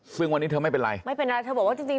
ซึ่งวันนี้เธอไม่เป็นไรไม่เป็นไรเธอบอกว่าจริง